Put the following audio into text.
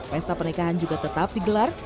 pesta pernikahan juga tetap digelar